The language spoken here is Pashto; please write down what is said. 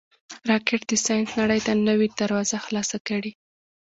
راکټ د ساینس نړۍ ته نوې دروازه خلاصه کړې